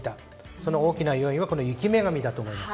その大きな要因は雪女神だと思います。